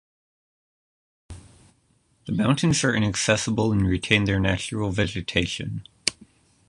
The mountains are inaccessible and retain their natural vegetation.